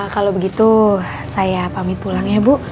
kalau begitu saya pamit pulang ya bu